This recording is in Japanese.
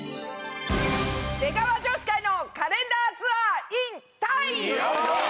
出川女子会のカレンダーツアーｉｎタイ。